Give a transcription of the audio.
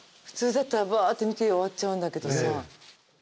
普通だったらバーッて見て終わっちゃうんだけどさ。